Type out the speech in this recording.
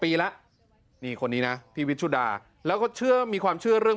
ปีแล้วนี่คนนี้นะพี่วิชุดาแล้วก็เชื่อมีความเชื่อเรื่อง